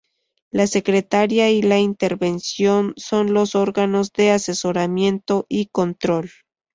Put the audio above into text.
La secretaría y la intervención son los órganos de asesoramiento y control.